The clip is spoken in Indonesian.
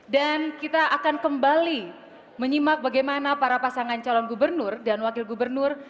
dan kita akan kembali menyimak bagaimana para pasangan calon gubernur dan wakil gubernur